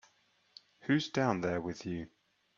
Who's down there with you?